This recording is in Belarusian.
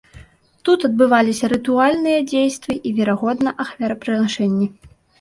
Тут адбываліся рытуальныя дзействы і, верагодна, ахвярапрынашэнні.